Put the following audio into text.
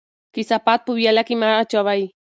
کثافات په ویاله کې مه اچوئ.